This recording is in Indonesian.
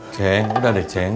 ceng udah deh ceng